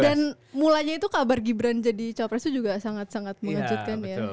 dan mulanya itu kabar gibran jadi cowok pres itu juga sangat sangat mengejutkan ya